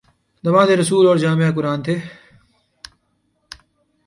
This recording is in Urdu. داماد رسول اور جامع قرآن تھے